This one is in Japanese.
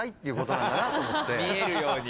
見えるように。